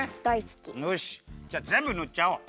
よしぜんぶぬっちゃおう。